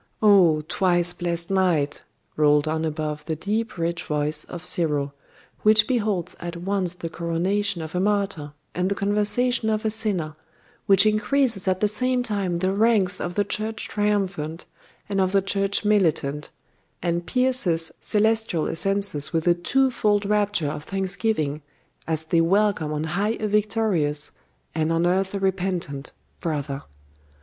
'Oh, twice blest night,' rolled on above the deep rich voice of Cyril, 'which beholds at once the coronation of a martyr and the conversion of a sinner; which increases at the same time the ranks of the church triumphant, and of the church militant; and pierces celestial essences with a twofold rapture of thanksgiving, as they welcome on high a victorious, and on earth a repentant, brother!